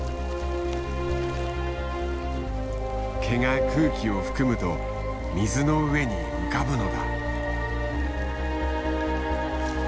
毛が空気を含むと水の上に浮かぶのだ。